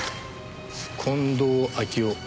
近藤秋夫。